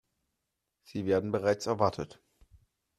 Sie werden bereits erwartet.